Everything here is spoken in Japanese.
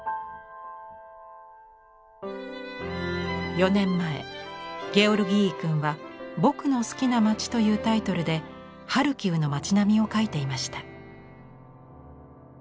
４年前ゲオルギーイ君は「僕の好きな町」というタイトルでハルキウの町並みを描いていました。